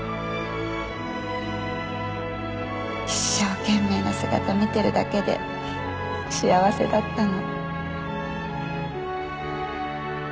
一生懸命な姿見てるだけで幸せだったの